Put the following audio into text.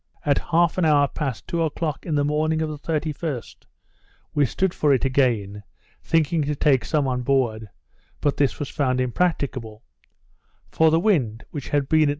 At half an hour past two o'clock in the morning of the 31st, we stood for it again, thinking to take some on board, but this was found impracticable; for the wind, which had been at N.